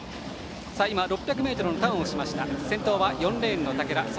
６００ｍのターンをして先頭は４レーン竹田。